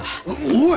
おい！